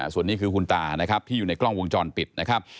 ส่วนนี้คือคุณตานะครับที่อยู่ในกล้องวงจรปิดนะครับ